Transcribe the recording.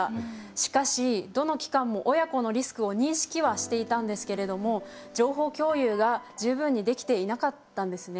しかしどの機関も親子のリスクを認識はしていたんですけれども情報共有が十分にできていなかったんですね。